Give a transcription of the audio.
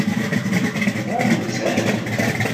Tɣunza-t?